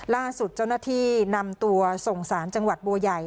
ล่าสุดเจ้าหน้าที่นำตัวส่งสารจังหวัดบัวใหญ่